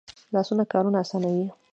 لاسونه کارونه آسانوي